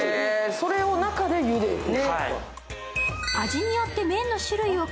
それを中でゆでてね。